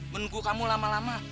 menunggu kamu lama lama